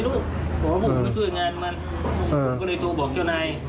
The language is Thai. หรอกว่าผมมาช่วยงานมันอืมก็เลยโทรบอกเจ้านาย